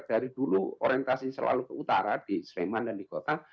dari dulu orientasi selalu ke utara di sleman dan di kota